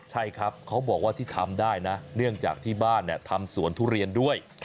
ใช่ครับเขาบอกว่าที่ทำได้นะเนื่องจากที่บ้านทำสวนทุเรียนด้วย